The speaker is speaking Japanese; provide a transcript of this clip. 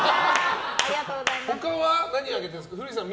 他は何あげてるんですか？